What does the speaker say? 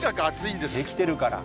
できてるから。